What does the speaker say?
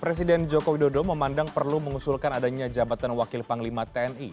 presiden joko widodo memandang perlu mengusulkan adanya jabatan wakil panglima tni